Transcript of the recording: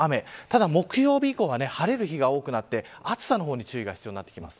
ただ、木曜日以降は晴れる日が多くなって暑さの方に注意が必要になります。